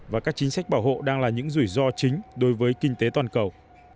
và các chính sách bảo hộ đang là những rủi ro chính đối với kinh tế toàn cầu